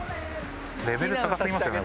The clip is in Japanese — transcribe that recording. レベル高すぎますよね